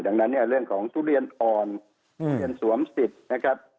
ดังนั้นเรื่องของทุเรียนอ่อนเหมือนสวมสิทธิ์